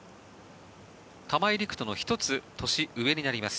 玉井陸斗の１つ年上になります